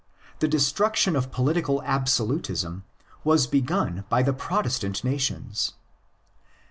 The destruction of political absolutism was begun by the Protestant nations.